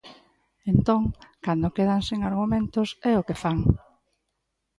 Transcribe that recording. Entón, cando quedan sen argumentos, é o que fan.